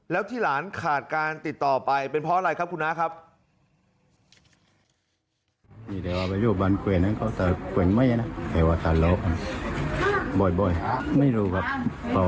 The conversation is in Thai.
แล้วที่หลานขาดการติดต่อไปเป็นเพราะอะไรครับคุณน้าครับ